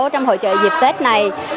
trong hội chợ dịp tết này